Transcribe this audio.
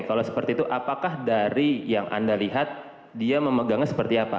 kalau seperti itu apakah dari yang anda lihat dia memegangnya seperti apa